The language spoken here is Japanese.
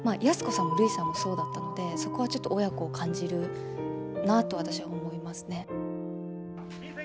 安子さんもるいさんもそうだったのでそこはちょっと親子を感じるなと私は思いますね。